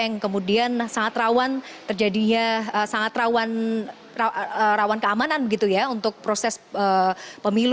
yang kemudian sangat rawan terjadinya sangat rawan keamanan begitu ya untuk proses pemilu